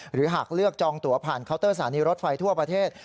หากเลือกจองตัวผ่านเคาน์เตอร์สถานีรถไฟทั่วประเทศ